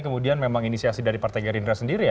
kemudian memang inisiasi dari partai gerindra sendiri ya